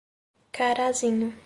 Carazinho